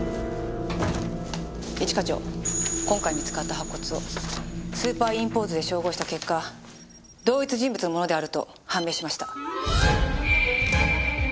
一課長今回見つかった白骨をスーパーインポーズで照合した結果同一人物のものであると判明しました。